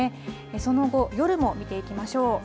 その後、夜も見ていきましょう。